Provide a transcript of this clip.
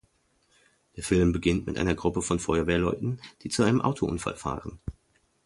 Der Film beginnt mit einer Gruppe von Feuerwehrleuten, die zu einem Autounfall fahren.